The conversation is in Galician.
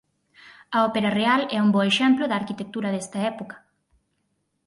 A Ópera Real é un bo exemplo da arquitectura desta época.